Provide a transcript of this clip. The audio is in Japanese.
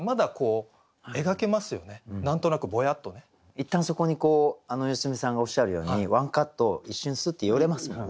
いったんそこに良純さんがおっしゃるようにワンカット一瞬スーッて寄れますもんね。